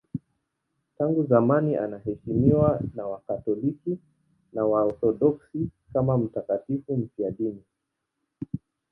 Tangu zamani anaheshimiwa na Wakatoliki na Waorthodoksi kama mtakatifu mfiadini.